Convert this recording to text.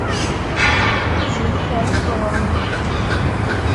Tiziri terna-d ɣur-neɣ.